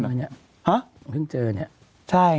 เพิ่งเจอนี่